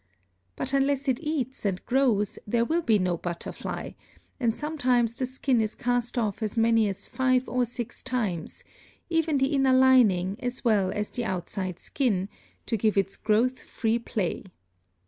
But unless it eats and grows there will be no butterfly, and sometimes the skin is cast off as many as five or six times, even the inner lining as well as the outside skin, to give its growth free play.